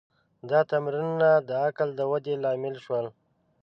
دا تمرینونه د عقل د ودې لامل شول.